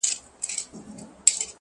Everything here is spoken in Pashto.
• لونگيه دا خبره دې سهې ده_